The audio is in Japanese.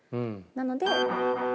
なので。